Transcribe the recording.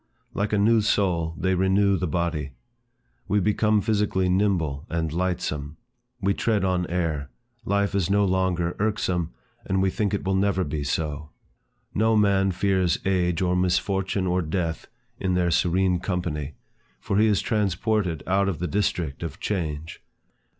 Like a new soul, they renew the body. We become physically nimble and lightsome; we tread on air; life is no longer irksome, and we think it will never be so. No man fears age or misfortune or death, in their serene company, for he is transported out of the district of change.